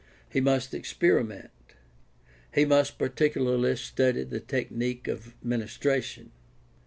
He must experiment. He must particularly study the technique of ministration.